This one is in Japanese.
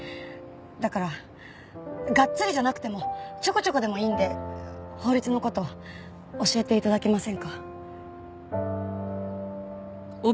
だからがっつりじゃなくてもちょこちょこでもいいんで法律の事教えて頂けませんか？